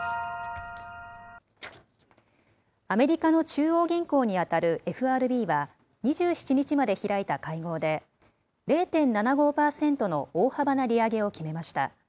アメリカの中央銀行に当たるＦＲＢは、２７日まで開いた会合で、０．７５％の大幅な利上げを決めました。